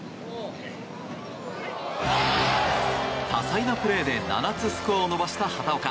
多彩なプレーで７つスコアを伸ばした畑岡。